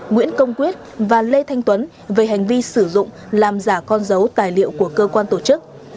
nguyễn công quyết và lê thanh tuấn về hành vi sử dụng làm giả con dấu tài liệu của cơ quan tổ chức